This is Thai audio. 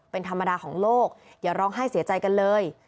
เป็นธรรมดาของโลกอย่าร้องไห้เสียใจกันเลย